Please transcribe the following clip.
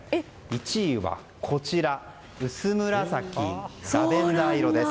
１位は、薄紫ラベンダー色です。